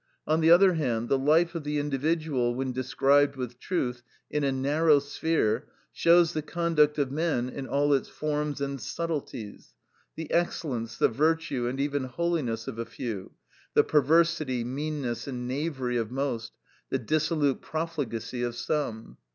On the other hand, the life of the individual when described with truth, in a narrow sphere, shows the conduct of men in all its forms and subtilties, the excellence, the virtue, and even holiness of a few, the perversity, meanness, and knavery of most, the dissolute profligacy of some.